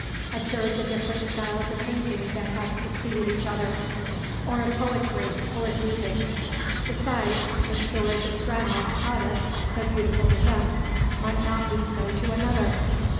Observe the different styles of painting that have succeeded each other, or of poetry, or of music. Besides, Monsieur de Stranoff's goddess, though beautiful to him, might not be so to another."